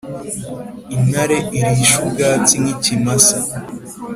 intare irishe ubwatsi nk’ikimasa.